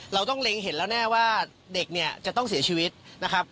เราต้องเล็งเห็นแล้วแน่ว่าเด็กเนี่ยจะต้องเสียชีวิตนะครับ